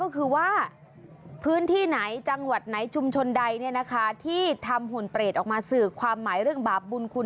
กาติกาก็คือว่า